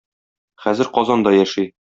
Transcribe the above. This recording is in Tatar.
Хәзер Казанда яши.